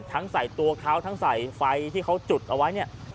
ทั้งใส่ตัวเขาทั้งใส่ไฟที่เขาจุดเอาไว้เนี่ย